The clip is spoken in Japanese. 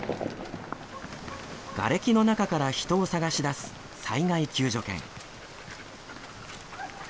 がれきの中から人を捜し出す災害救助犬。